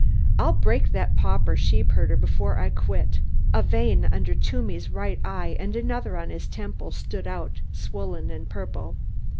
"I'll break that pauper sheepherder before I quit!" A vein under Toomey's right eye and another on his temple stood out swollen and purple.